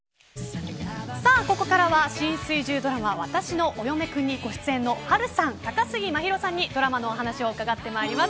ここからは新水１０ドラマわたしのお嫁くんにご出演の波瑠さん、高杉真宙さんにドラマのお話を伺っていきます。